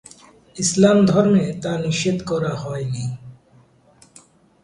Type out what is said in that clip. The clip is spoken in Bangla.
ইসলাম ধর্মে তা নিষেধ করা হয়নি।